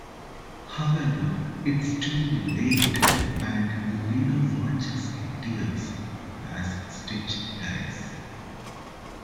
However, it's too late and Lilo watches in tears as Stitch dies.